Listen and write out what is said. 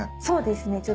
そうですね。